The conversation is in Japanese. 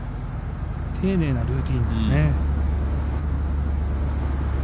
丁寧なルーティーンですよね。